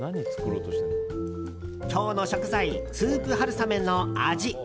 今日の食材スープはるさめの味。